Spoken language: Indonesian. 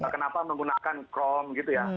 kenapa menggunakan chrome gitu ya